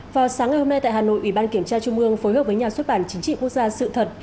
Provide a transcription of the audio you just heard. vào sáng ngày hôm nay tại hà nội ủy ban kiểm tra trung ương phối hợp với nhà xuất bản chính trị quốc gia sự thật